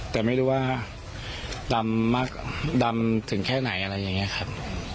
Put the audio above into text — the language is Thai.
แต่ไม่รู้ว่าดำมากดำถึงแค่ไหนอะไรอย่างนี้ครับ